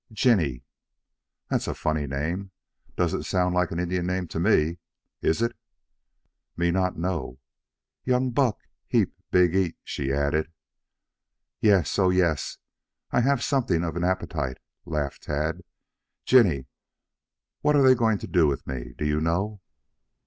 "Jinny." "That's a funny name. Doesn't sound like an Indian name. Is it?" "Me not know. Young buck heap big eat," she added. "Yes. Oh, yes, I have something of an appetite," laughed Tad. "Jinny, what are they going to do with me, do you know?"